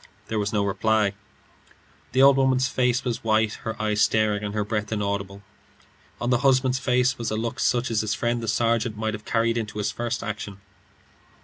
There was no reply; the old woman's face was white, her eyes staring, and her breath inaudible; on the husband's face was a look such as his friend the sergeant might have carried into his first action.